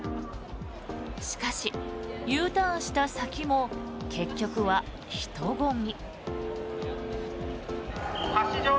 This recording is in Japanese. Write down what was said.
しかし、Ｕターンした先も結局は人混み。